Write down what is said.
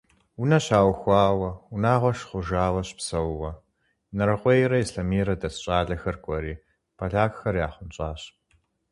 Унэ щаухуауэ, унагъуэ щыхъужауэ щыпсэууэ, Инарыкъуейрэ Ислъэмейрэ дэс щӏалэхэр кӏуэри полякхэр яхъунщӏащ.